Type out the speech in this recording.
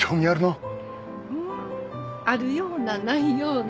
うんあるようなないような。